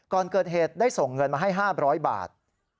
ก่อนเกิดเหตุได้ส่งเงินมาให้๕๐๐บาท